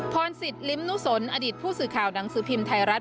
พรสิทธิลิ้มนุสนอดีตผู้สื่อข่าวหนังสือพิมพ์ไทยรัฐ